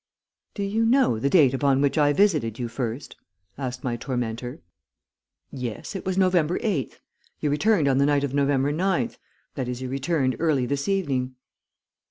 "'Do you know the date upon which I visited you first?' asked my tormentor. "'Yes, it was November eighth. You returned on the night of November ninth that is you returned early this evening.'